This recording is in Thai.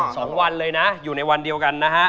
สองวันเลยนะอยู่ในวันเดียวกันนะฮะ